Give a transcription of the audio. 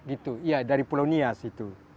iya dari pulau nias itu